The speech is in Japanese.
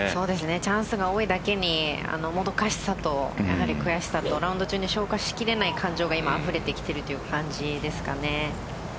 チャンスが多いだけにもどかしさと、悔しさとラウンド中に消化しきれない感情があふれてきているという感じですかね。